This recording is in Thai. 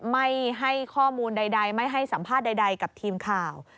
ไม่ให้ข้อมูลใดไม่ให้สัมภาษณ์ใดกับทีมข่าว